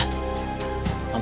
kasihan juga ya bu